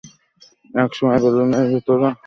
এক সময় বেলুনের ভেতর আর গ্যাস ধরবে না।